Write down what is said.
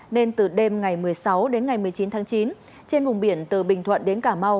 nên từ đêm ngày một mươi sáu đến ngày một mươi chín tháng chín trên vùng biển từ bình thuận đến cà mau